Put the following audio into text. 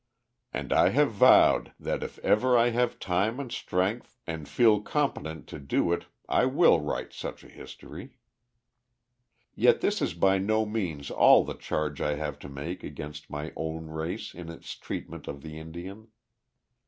And I have vowed that if ever I have time and strength and feel competent to do it, I will write such a history. [Illustration: INDIAN BEADWORK.] Yet this is by no means all the charge I have to make against my own race in its treatment of the Indian.